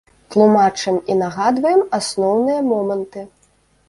Тлумачым і нагадваем асноўныя моманты.